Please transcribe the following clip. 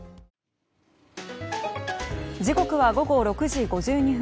時刻は午後６時５２分。